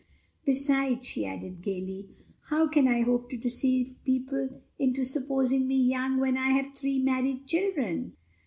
Beside," she added gayly, "how can I hope to deceive people into supposing me young when I have three married children."